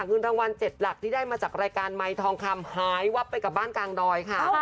เงินรางวัล๗หลักที่ได้มาจากรายการไมค์ทองคำหายวับไปกับบ้านกลางดอยค่ะ